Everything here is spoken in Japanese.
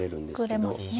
作れますね。